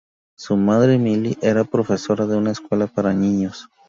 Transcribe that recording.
Su madre, Millie, era profesora de una escuela para niños.